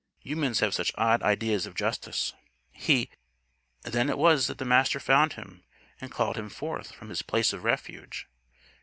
Humans have such odd ideas of Justice. He Then it was that the Master found him; and called him forth from his place of refuge.